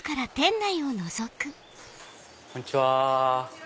こんにちは。